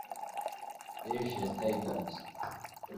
Asia Tigers